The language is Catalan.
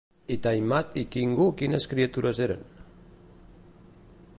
I Tiamat i Kingu quines criatures eren?